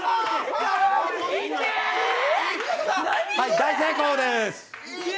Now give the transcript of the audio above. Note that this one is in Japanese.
大成功です！